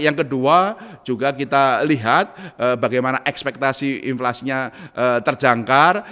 yang kedua juga kita lihat bagaimana ekspektasi inflasinya terjangkar